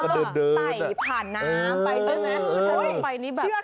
เชือกติดน้ำแล้วสิ